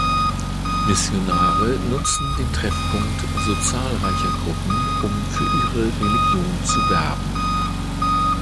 Missionare nutzten den Treffpunkt so zahlreicher Gruppen, um für ihre Religion zu werben.